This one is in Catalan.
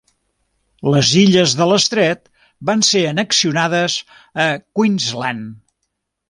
Les illes de l'estret van ser annexionades a Queensland.